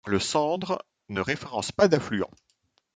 Le Sandre ne référence pas d'affluents.